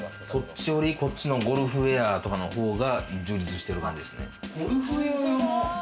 こっちのゴルフウェアとかの方が充実してる感じですね。